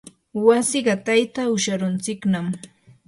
wasi qatayta usharuntsiknam.